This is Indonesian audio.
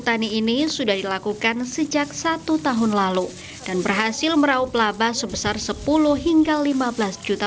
tani ini sudah dilakukan sejak satu tahun lalu dan berhasil meraup laba sebesar sepuluh hingga lima belas juta